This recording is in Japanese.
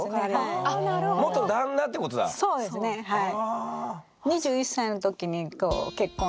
そうですねはい。